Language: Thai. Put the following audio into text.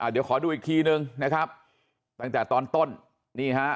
เดี๋ยวขอดูอีกทีนึงนะครับตั้งแต่ตอนต้นนี่ฮะ